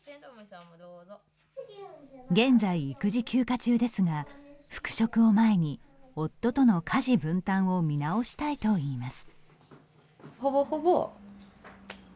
現在育児休暇中ですが復職を前に夫との家事分担を見直したいといいます。